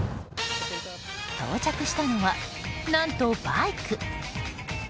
到着したのは、何とバイク。